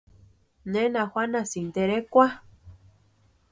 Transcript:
¿Nena juanhasïnki terekwa?